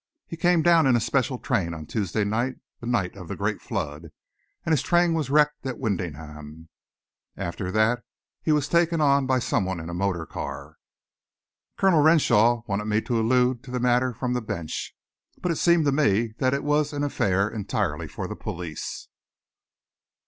He came down in a special train on Tuesday night the night of the great flood and his train was wrecked at Wymondham. After that he was taken on by some one in a motor car. Colonel Renshaw wanted me to allude to the matter from the bench, but it seemed to me that it was an affair entirely for the police."